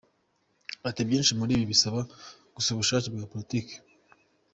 Ati “Byinshi muri ibi bisaba gusa ubushake bwa politiki.